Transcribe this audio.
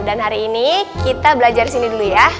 dan hari ini kita belajar disini dulu ya